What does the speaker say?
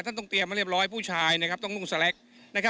ต้องเตรียมมาเรียบร้อยผู้ชายต้องนุ่งสแล็ก